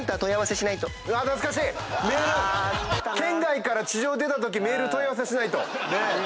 圏外から地上出たときメール問い合わせしないと。